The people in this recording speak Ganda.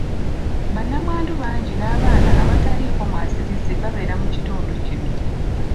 Bannamwandu bangi n'abaana abataliiko mwasirizi babeera mu kitundu kino.